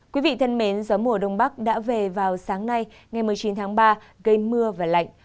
quý vị thân mến gió mùa đông bắc đã về vào sáng nay ngày một mươi chín tháng ba gây mưa và lạnh